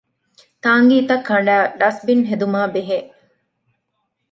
ތާނގީތައް ކަނޑައި ޑަސްބިން ހެދުމާބެހޭ